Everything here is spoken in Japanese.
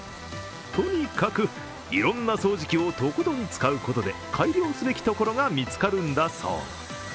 とにかく、いろんな掃除機をとことん使うことで改良すべきところが見つかるんだそう。